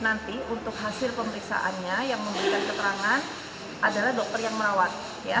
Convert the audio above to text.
nanti untuk hasil pemeriksaannya yang memberikan keterangan adalah dokter yang merawat